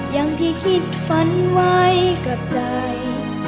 อย่างที่คิดฝันไว้กับใจ